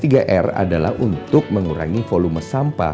tiga r adalah untuk mengurangi volume sampah